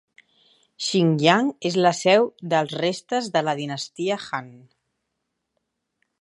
Xingyang es la seu dels restes de la dinastia Han.